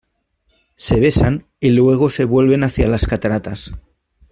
Se besan y luego se vuelven hacia las cataratas.